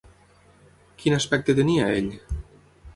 Quin aspecte tenia ell?